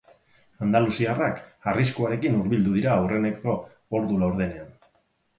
Andaluziarrak arriskuarekin hurbildu dira aurreneko ordu laurdenean.